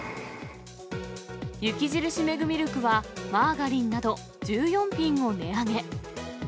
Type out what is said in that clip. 雪印メグミルクはマーガリンなど１４品を値上げ。